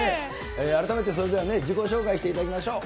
改めて、それでは自己紹介していただきましょう。